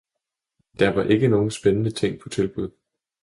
Der var ikke nogen spændende ting på tilbud.